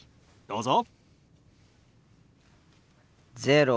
どうぞ。